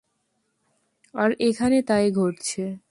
আর এখানে তাই ঘটছে।